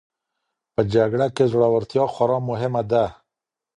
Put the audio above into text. په جګړه کي زړورتیا خورا مهمه ده.